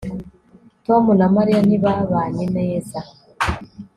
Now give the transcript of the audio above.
tom na mariya ntibabanye neza